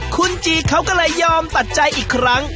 คุณจีเขาก็เลยยอมตัดใจอีกครั้ง